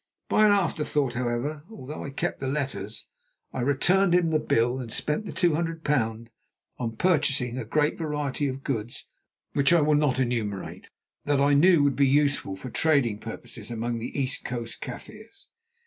By an afterthought, however, although I kept the letters, I returned him the bill and spent the £200 in purchasing a great variety of goods which I will not enumerate, that I knew would be useful for trading purposes among the east coast Kaffirs.